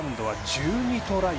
１２トライ